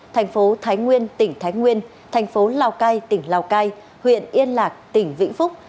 thành phố thái nguyên tỉnh thái nguyên thành phố lào cai tỉnh lào cai huyện yên lạc tỉnh vĩnh phúc